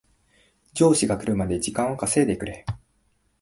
上司が来るまで時間を稼いでくれ